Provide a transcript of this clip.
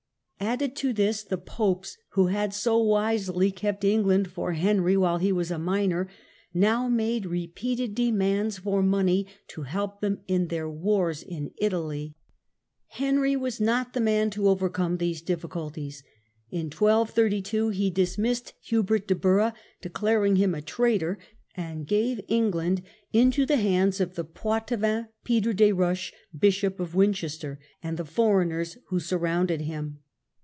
Added to this the ^^^K^ popes, who had so wisely kept England for *'^ Henry while he was a minor, now made repeated demands for money to help them in their wars in Italy. Henry was not the man to overcome these difficulties. In 1232 he dismissed Hubert de Burgh, declaring him a traitor, and gave England into the hands of the Poitevin Peter des Roches, Bishop of Winchester, and the foreigners who surrounded him.